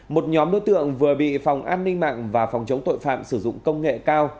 một nhóm đối tượng vừa bị phòng an ninh mạng và phòng chống tội phạm sử dụng công nghệ cao